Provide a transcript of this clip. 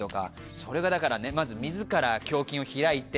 それがまず自ら胸襟を開いて。